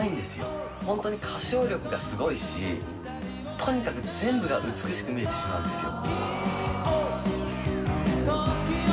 とにかく全部が美しく見えてしまうんですよ。